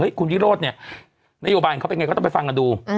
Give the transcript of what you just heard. คุณวิโรธเนี่ยนโยบายของเขาเป็นไงก็ต้องไปฟังกันดู